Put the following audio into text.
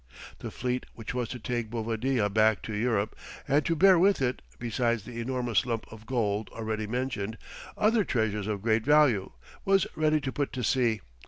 The fleet which was to take Bovadilla back to Europe, and to bear with it, besides the enormous lump of gold already mentioned, other treasures of great value, was ready to put to sea.